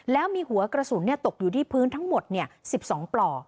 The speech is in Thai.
แล้วมีหัวกระสุนตกอยู่ที่พื้นทั้งหมด๑๒ปลอก